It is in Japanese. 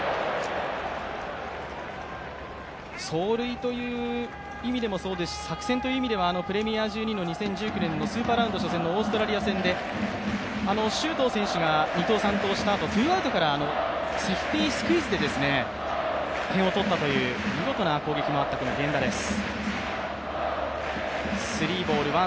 走塁という意味でもそうですし、作戦という意味ではプレミア１２の２０１９年のスーパーラウンドのオーストラリア戦で周東選手が二盗、三盗したあとツーアウトからセーフティスクイズで点を取ったという見事な攻撃もあった、この源田です。